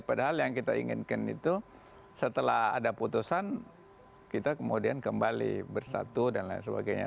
padahal yang kita inginkan itu setelah ada putusan kita kemudian kembali bersatu dan lain sebagainya